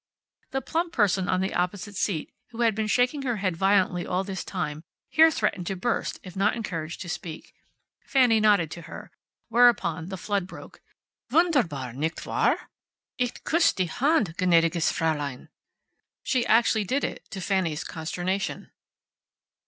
The plump person on the opposite seat, who had been shaking her head violently all this time here threatened to burst if not encouraged to speak. Fanny nodded to her. Whereupon the flood broke. "Wunderbar, nicht war! Ich kuss' die handt, gnadiges Fraulein." She actually did it, to Fanny's consternation.